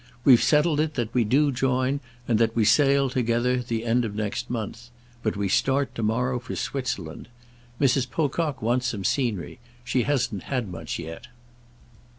We've settled it that we do join and that we sail together the end of next month. But we start to morrow for Switzerland. Mrs. Pocock wants some scenery. She hasn't had much yet."